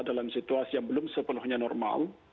dalam situasi yang belum sepenuhnya normal